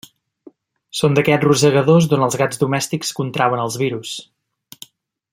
Són d'aquests rosegadors d'on els gats domèstics contrauen els virus.